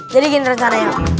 jadi gini rencana yang lain